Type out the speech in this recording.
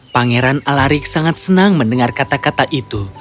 pangeran alarik sangat senang mendengar kata kata itu